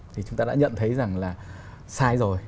thì chúng ta đã nhận thấy rằng là sai rồi